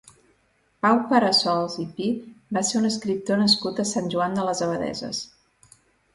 Pau Parassols i Pi va ser un escriptor nascut a Sant Joan de les Abadesses.